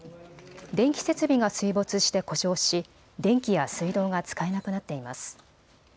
電気設備が水没して故障し電気や水道が使えなくなっています。